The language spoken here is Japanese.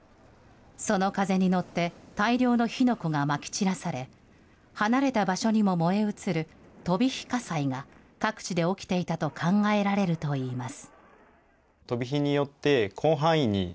その風に乗って、大量の火の粉がまき散らされ、離れた場所にも燃え移る飛び火火災が各地で起きていたと考えられるといいます。